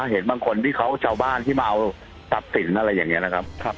เห็นบางคนที่เขาชาวบ้านที่มาเอาตัดสินอะไรอย่างนี้นะครับ